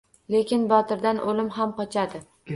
Lekin botirdan o`lim ham qochadi